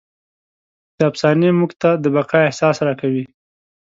دا افسانې موږ ته د بقا احساس راکوي.